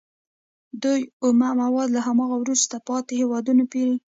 دوی اومه مواد له هماغو وروسته پاتې هېوادونو پېري